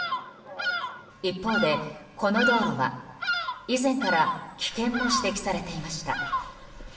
一方で、この道路は以前から危険も指摘されていました。